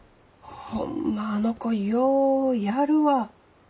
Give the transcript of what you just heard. ホンマあの子ようやるわ。